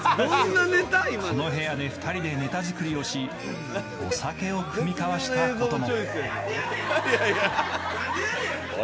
この部屋で２人でネタ作りをしお酒を酌み交わしたことも。